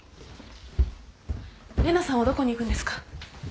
玲奈さんはどこに行くんですか？